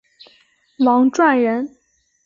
王篆人。